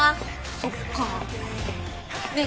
そっかねえ